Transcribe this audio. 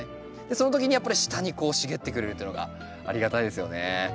その時にやっぱり下に茂ってくれるというのがありがたいですよね。